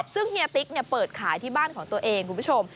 ซึ่งเฮียติ๊กเปิดขายที่บ้านของตัวเองคุณผู้ชม